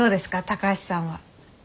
高橋さんは。